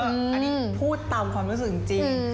อันนี้พูดตามความรู้สึกจริง